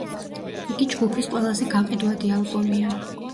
იგი ჯგუფის ყველაზე გაყიდვადი ალბომია.